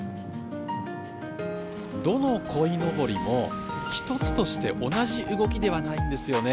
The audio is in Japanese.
どのこいのぼりも、１つとして同じ動きではないんですよね。